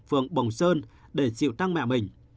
phường bồng sơn để chịu tăng mẹ mình